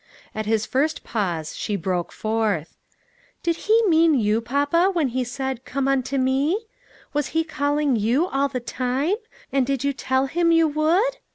At his first pause she broke forth : "Did He mean you, papa, when He said 4 Come unto Me '? Was He calling you, all the time? and did you tell Him you would?"